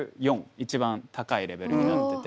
一番高いレベルになってて。